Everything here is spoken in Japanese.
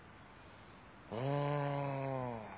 うん。